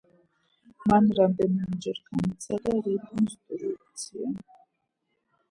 მან რამდენიმეჯერ განიცადა რეკონსტრუქცია.